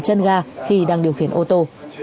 chân ga khi đang điều khiển ô tô